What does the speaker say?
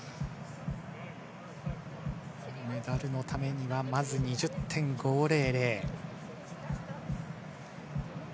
メダルのためにはまず２０．５００。